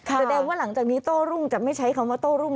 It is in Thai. แสดงว่าหลังจากนี้โต้รุ่งจะไม่ใช้คำว่าโต้รุ่ง